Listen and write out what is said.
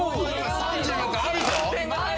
３６あるぞ！